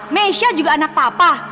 mesya juga anak papa